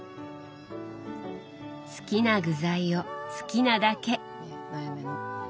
好きな具材を好きなだけ。